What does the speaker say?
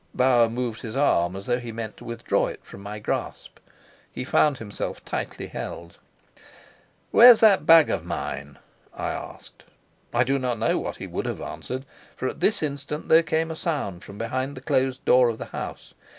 Bauer moved his arm as though he meant to withdraw it from my grasp. He found himself tightly held. "Where's that bag of mine?" I asked. I do not know what he would have answered, for at this instant there came a sound from behind the closed door of the house.